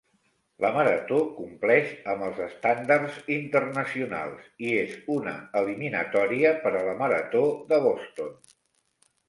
La marató compleix amb els estàndards internacionals i és una eliminatòria per a la marató de Boston.